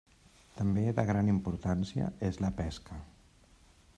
També de gran importància és la pesca.